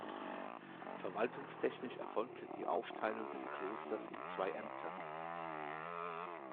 Verwaltungstechnisch erfolgte die Aufteilung des Klosters in zwei Ämter.